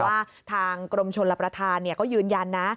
ว่าทางกรมชนรับประทานก็ยืนยันนะ